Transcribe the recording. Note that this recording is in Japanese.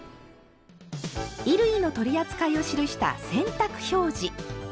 衣類の取り扱いを記した「洗濯表示」。